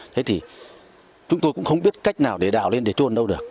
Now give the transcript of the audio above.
thế thì chúng tôi cũng không biết cách nào để đào lên để trôn đâu được